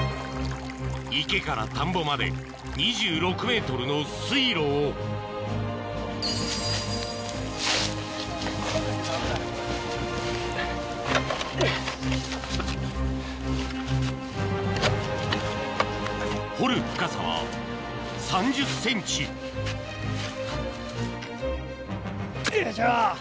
池から田んぼまで２６ｍの水路を掘る深さは３０ｃｍよいしょ！